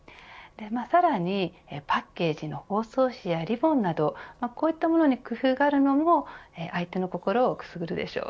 さらにパッケージの包装紙やリボンなどこういったものに工夫があるのも相手の心をくすぐるでしょう。